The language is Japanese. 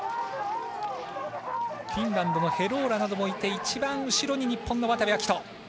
フィンランドのヘローラなどもいて一番後ろに日本の渡部暁斗。